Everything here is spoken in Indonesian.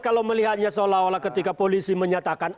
kalau melihatnya seolah olah ketika polisi menyatakan